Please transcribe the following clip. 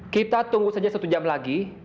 kita tunggu saja satu jam lagi